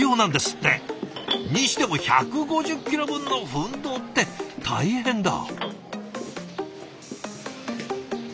にしても１５０ｋｇ分の分銅って大変だ。